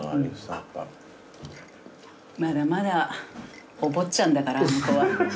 まだまだお坊ちゃんだからあの子は。